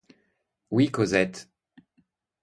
Oui, Cosette.